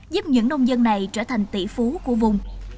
giúp những nông dân này trở thành tỷ phú của vùng